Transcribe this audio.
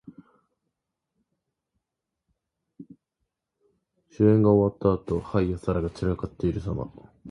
酒宴が終わったあと、杯や皿が散らかっているさま。